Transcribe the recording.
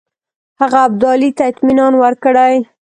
هغه ابدالي ته اطمینان ورکړی.